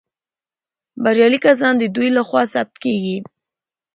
بریالي کسان د دوی لخوا ثبت کیږي.